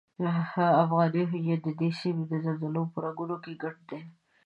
افغان هویت ددې سیمې د زلزلو په رګونو کې ګډ دی.